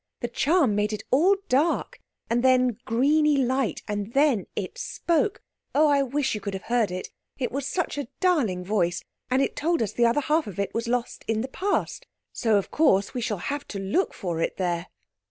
The charm made it all dark, and then greeny light, and then it spoke. Oh! I wish you could have heard it—it was such a darling voice—and it told us the other half of it was lost in the Past, so of course we shall have to look for it there!"